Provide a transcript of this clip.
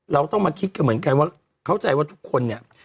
เราต้องมาคิดกันเหมือนกันว่าเข้าใจว่าทุกคนเนี่ย